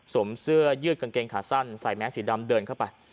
เสื้อยืดกางเกงขาสั้นใส่แมสสีดำเดินเข้าไป